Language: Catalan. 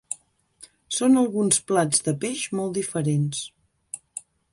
Són alguns plats de peix molt diferents.